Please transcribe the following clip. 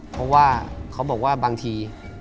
เพราะว่าเขาบอกว่าบางที